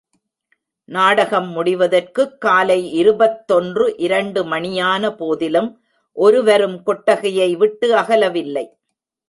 நாடகம் முடிவதற்குக் காலை இருபத்தொன்று இரண்டு மணியான போதிலும் ஒருவரும் கொட்டகையை விட்டு அகலவில்லை.